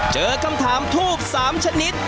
เจอคำถามทูปสามชนิด